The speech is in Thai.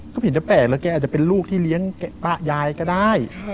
ก็เห็นแปลกแกอาจจะเป็นลูกที่เลี้ยงป้ายายก็ได้